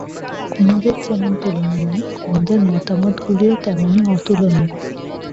কুমুদের যেমন তুলনা নাই, কুমুদের মতামতগুলিও তেমনি অতুলনীয়।